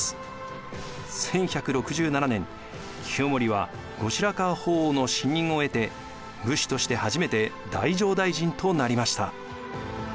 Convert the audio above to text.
１１６７年清盛は後白河法皇の信任を得て武士として初めて太政大臣となりました。